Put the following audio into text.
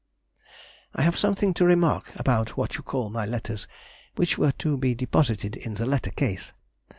I have something to remark about what you call my letters, which were to be deposited in the letter case.